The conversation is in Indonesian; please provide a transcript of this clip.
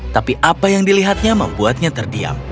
tapi apa yang dilihatnya membuatnya terdiam